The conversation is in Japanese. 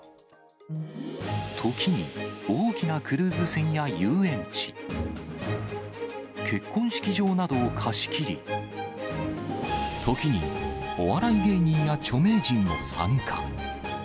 時に大きなクルーズ船や遊園地、結婚式場などを貸し切り、時に、お笑い芸人や著名人も参加。